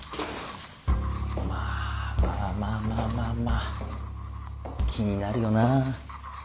まあまあまあまあまあまあ気になるよな。